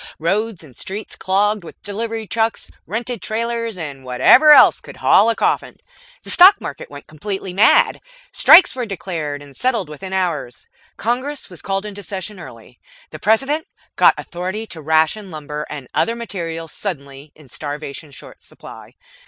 Roads and streets clogged with delivery trucks, rented trailers, and whatever else could haul a coffin. The Stock Market went completely mad. Strikes were declared and settled within hours. Congress was called into session early. The President got authority to ration lumber and other materials suddenly in starvation short supply.